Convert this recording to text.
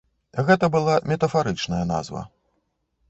Гэта была метафарычная назва.